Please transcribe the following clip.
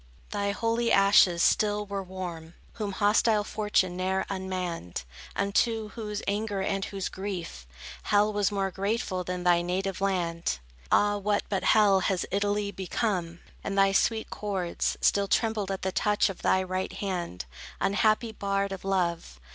Thy holy ashes still were warm, Whom hostile fortune ne'er unmanned; Unto whose anger and whose grief, Hell was more grateful than thy native land. Ah, what, but hell, has Italy become? And thy sweet cords Still trembled at the touch of thy right hand, Unhappy bard of love.